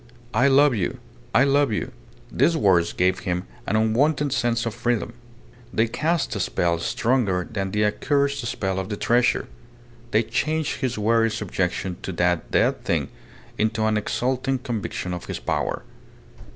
"I love you! I love you!" These words gave him an unwonted sense of freedom; they cast a spell stronger than the accursed spell of the treasure; they changed his weary subjection to that dead thing into an exulting conviction of his power.